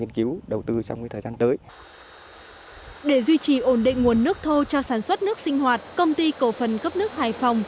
để duy trì ổn định nguồn nước thô cho sản xuất nước sinh hoạt công ty cổ phần cấp nước hải phòng